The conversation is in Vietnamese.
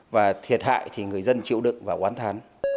và thiệt hại thì người dân chịu đựng và oán thán